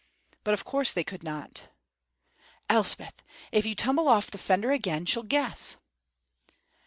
But of course they could not! ("Elspeth, if you tumble off the fender again, she'll guess.")